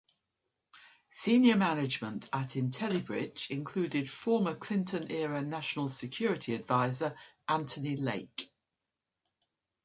Senior management at Intellibridge included former Clinton-era National Security Advisor Anthony Lake.